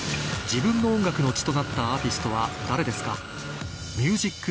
自分の音楽の血となったアーティストは誰ですか？